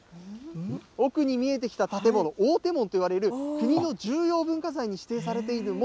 奥に見えてきた建物、追手門といわれる国の重要文化財に指定されている門。